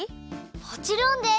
もちろんです！